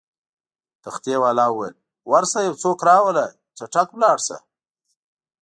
تختې والاو وویل: ورشه یو څوک راوله، چټک لاړ شه.